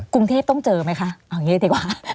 กรุงเทพต้องเจอไหมคะเอาอย่างนี้ดีกว่า